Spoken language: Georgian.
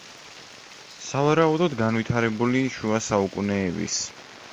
სავარაუდოდ, განვითარებული შუა საუკუნეების.